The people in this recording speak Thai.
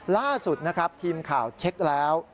ล่าสุดนะครับทีมข่าวเช็คแล้ว